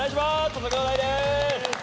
土佐兄弟です！